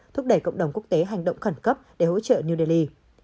thúc đẩy cộng đồng quốc tế hành động khẩn cấp để hỗ trợ new delhi